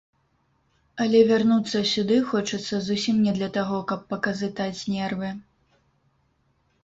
Але вярнуцца сюды хочацца зусім не для таго, каб паказытаць нервы.